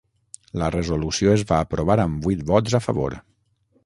La resolució es va aprovar amb vuit vots a favor.